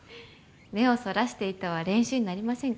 目をそらしていては練習になりませんから。